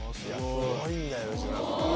すごいんだよ吉村。